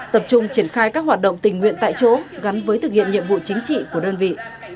tập trung triển khai các hoạt động tình nguyện tại chỗ gắn với thực hiện nhiệm vụ chính trị của đơn vị